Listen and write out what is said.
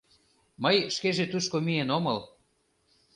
Мый шкеже тушко миен омыл...